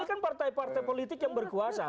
ini kan partai partai politik yang berkuasa